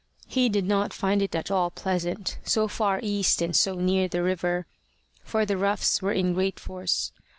He did not find it at all pleasant, so far east and so near the river; for the roughs were in great force.